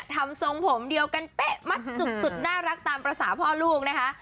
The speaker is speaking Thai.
ทรงผมเดียวกันเป๊ะมัดจุกสุดน่ารักตามภาษาพ่อลูกนะคะ